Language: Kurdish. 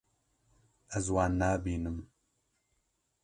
Ez wan nabînim.